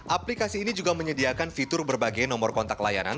aplikasi ini juga menyediakan fitur berbagai nomor kontak layanan